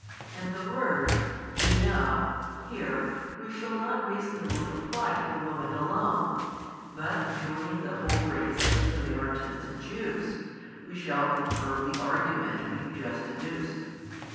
And the words, we know, here, we shall not reasonably apply to the woman alone, but joining the whole race of Samaritans and Jews, we shall confirm the argument we have just adduced.